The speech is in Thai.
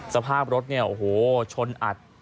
สภาพรถเนี่ยโอ้โหชนอัด